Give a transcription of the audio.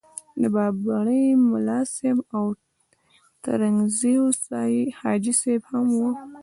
د بابړي ملاصاحب او ترنګزیو حاجي صاحب هم وو.